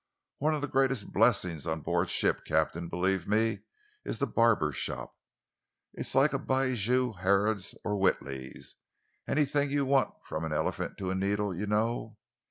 One of the greatest blessings on board ship, Captain, believe me, is the barber's shop. It's like a bijou Harrod's or Whiteley's anything you want, from an elephant to a needle, you know.